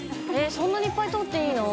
そんなにいっぱい取っていいの？